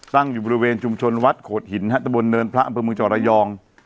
ตั้งอยู่บริเวณชุมชนวัดโขดหินฮะตะบนเนินพระอำเภอเมืองจอระยอง